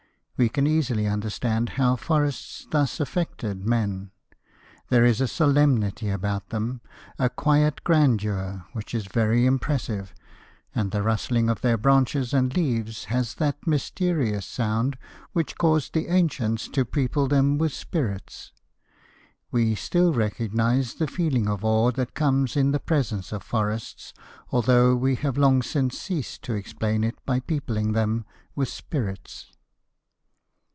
We can easily understand how forests thus affected men. There is a solemnity about them, a quiet grandeur, which is very impressive, and the rustling of their branches and leaves has that mysterious sound which caused the ancients to people them with spirits. We still recognize the feeling of awe that comes in the presence of forests, although we have long since ceased to explain it by peopling them with spirits.